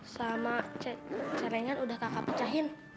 sama cerengan udah kakak pecahin